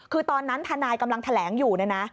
คือตอนนั้นฐานายกำลังแหลงอยู่นะ